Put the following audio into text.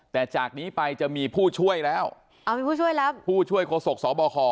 แต่จากนี้ไปจะมีผู้ช่วยแล้วผู้ช่วยโคศกสบค